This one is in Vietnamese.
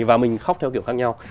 và mình khóc theo kiểu khác nhau